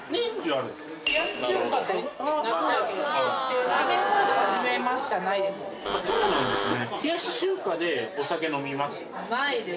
あそうなんですね。